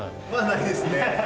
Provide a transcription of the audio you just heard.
ないですね。